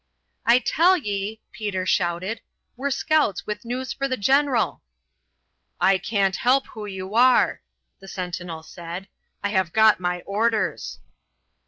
"I tell ye," Peter shouted, "we're scouts with news for the general." "I can't help who you are," the sentinel said. "I have got my orders."